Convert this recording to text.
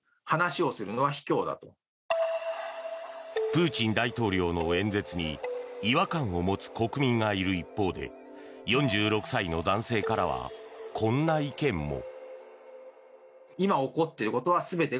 プーチン大統領の演説に違和感を持つ国民がいる一方で４６歳の男性からはこんな意見も。